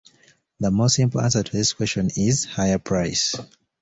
The most simple answer to this question is higher price.